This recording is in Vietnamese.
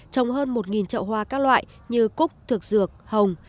trồng hơn một trậu hoa các loại như cúc thực dược hồng